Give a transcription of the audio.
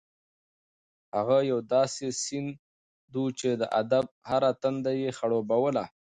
هغه یو داسې سیند و چې د ادب هره تنده یې خړوبوله.